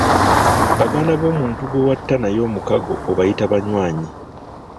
Baganda b'omuntu gwe watta naye omukago obayita banywanyi.